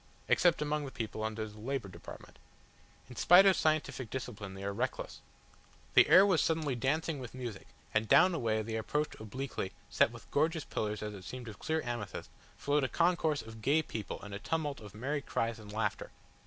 Except among the people under the Labour Department. In spite of scientific discipline they are reckless " The air was suddenly dancing with music, and down a way they approached obliquely, set with gorgeous pillars as it seemed of clear amethyst, flowed a concourse of gay people and a tumult of merry cries and laughter.